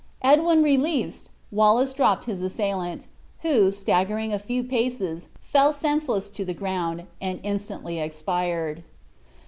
Edwin released, Wallace dropped his assailant, who, staggering a few paces, fell senseless to the ground, and instantly expired.